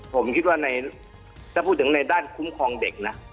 ผมคิดว่าถ้าพูดถึงในด้านคุ้มครองเด็กนะ